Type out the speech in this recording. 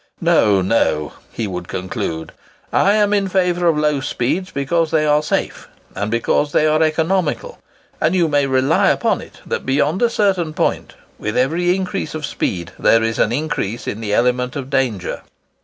No, no," he would conclude, "I am in favour of low speeds because they are safe, and because they are economical; and you may rely upon it that, beyond a certain point, with every increase of speed there is an increase in the element of danger."